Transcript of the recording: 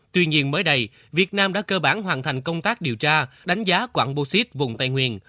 tuy nhiên mới đây việt nam đã cơ bản hoàn thành công tác điều tra đánh giá quạng bô xít vùng tây nguyên